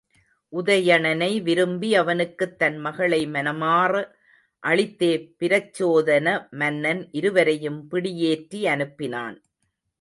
உதயணனை விரும்பி அவனுக்குத் தன் மகளை மனமாற அளித்தே பிரச்சோதன மன்னன் இருவரையும் பிடியேற்றி அனுப்பினான்.